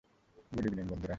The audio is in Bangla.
গুড ইভনিং, বন্ধুরা।